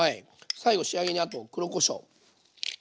最後仕上げにあと黒こしょう。